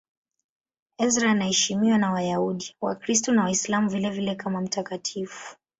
Ezra anaheshimiwa na Wayahudi, Wakristo na Waislamu vilevile kama mtakatifu.